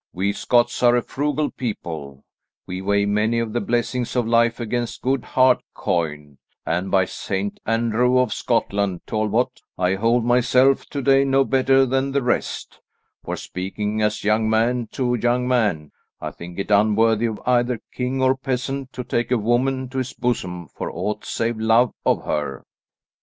We Scots are a frugal people; we weigh many of the blessings of life against good hard coin, and by Saint Andrew of Scotland, Talbot, I hold myself to day no better than the rest, for, speaking as young man to young man, I think it unworthy of either king or peasant to take a woman to his bosom for aught save love of her."